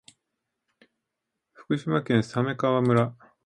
福島県鮫川村